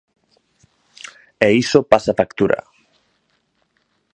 E iso pasa factura.